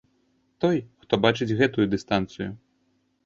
Той, хто бачыць гэтую дыстанцыю.